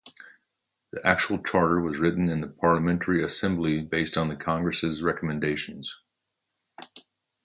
The actual charter was written in the Parliamentary Assembly based on the Congress' Recommendations.